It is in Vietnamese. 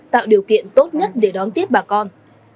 tạo điều kiện tốt nhất để đón tiếp bà con